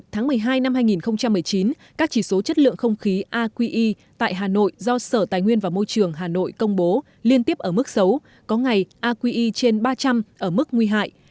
tháng một mươi một một mươi hai hai nghìn một mươi chín các chỉ số chất lượng không khí aqe tại hà nội do sở tài nguyên và môi trường hà nội công bố liên tiếp ở mức xấu có ngày aqe trên ba trăm linh ở mức nguy hại